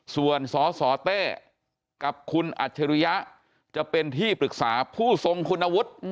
ส่วนสสเต้กับคุณอัจฉริยะจะเป็นที่ปรึกษาผู้ทรงคุณวุฒิ